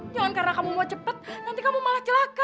jangan karena kamu mau cepat nanti kamu malah celaka